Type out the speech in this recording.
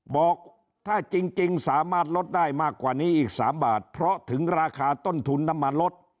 บอกถ้าจริงสามารถลดได้มากกว่านี้อีก๓บาทเพราะถึงราคาต้นทุนน้ำมันลด